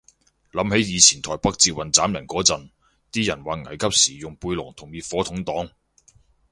諗起以前台北捷運斬人嗰陣，啲人話危急時用背囊同滅火筒擋